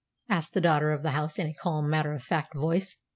asked the daughter of the house in a calm, matter of fact voice.